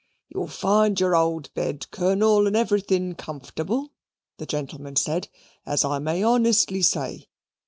"You'll find your old bed, Colonel, and everything comfortable," that gentleman said, "as I may honestly say.